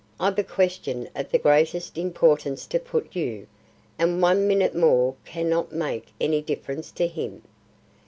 I've a question of the greatest importance to put you, and one minute more cannot make any difference to him.